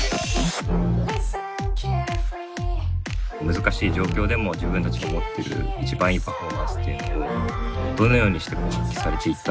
難しい状況でも自分たちが持ってる一番いいパフォーマンスっていうのをどのようにして発揮されていったのかな。